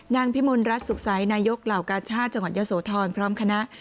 นางพิมูลรัตน์สุขศัยนายกเหล่ากาชาติจังหวัดยศโทรพร้อมคณะ